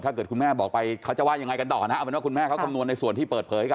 ถ้าเกิดคุณแม่บอกไปเขาจะว่ายังไงกันต่อนะ